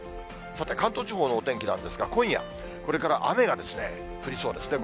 さて、関東地方のお天気なんですが、今夜、これから雨がですね、降りそうですね。